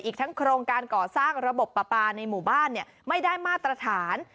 อีกทั้งโครงการก่อสร้างระบบปลาปลาในหมู่บ้านไม่ได้มาตรฐาน